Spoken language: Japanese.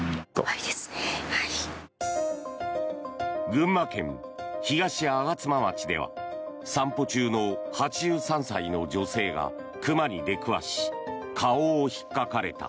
群馬県東吾妻町では散歩中の８３歳の女性が熊に出くわし顔をひっかかれた。